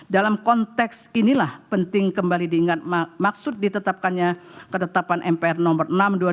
dalam konteks inilah penting kembali diingat maksud ditetapkannya ketetapan mpr nomor enam dua ribu